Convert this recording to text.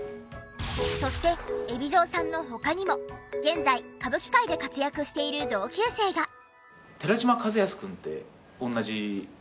そして海老蔵さんの他にも現在歌舞伎界で活躍している同級生が。